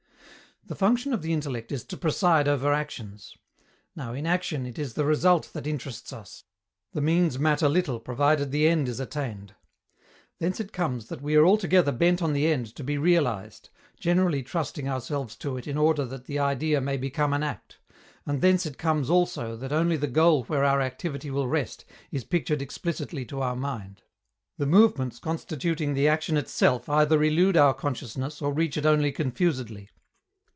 The function of the intellect is to preside over actions. Now, in action, it is the result that interests us; the means matter little provided the end is attained. Thence it comes that we are altogether bent on the end to be realized, generally trusting ourselves to it in order that the idea may become an act; and thence it comes also that only the goal where our activity will rest is pictured explicitly to our mind: the movements constituting the action itself either elude our consciousness or reach it only confusedly.